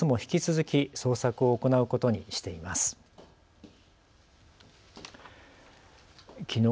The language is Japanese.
きのう